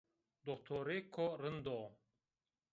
Doktorêko rind o